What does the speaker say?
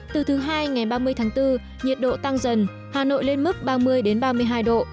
từ thứ hai ngày ba mươi tháng bốn nhiệt độ tăng dần hà nội lên mức ba mươi ba mươi hai độ